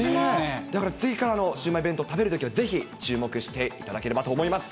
だから次からシウマイ弁当食べるときはぜひ注目していただければと思います。